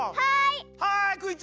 はい！